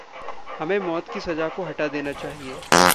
हमें मौत की सज़ा को हटा देना चाहिए।